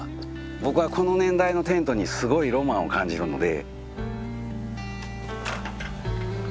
僕はこの年代のテントにすごいロマンを感じるので。